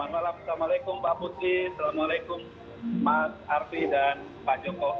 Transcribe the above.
assalamualaikum pak putri assalamualaikum pak arfi dan pak joko